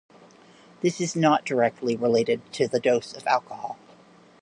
This is not directly related to the dose of alcohol.